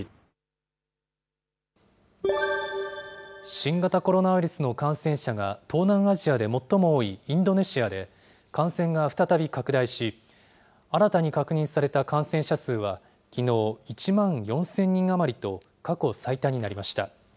新型コロナウイルスの感染者が東南アジアで最も多いインドネシアで、感染が再び拡大し、新たに確認された感染者数は、きのう、１万４０００人余りと過去最多になりました。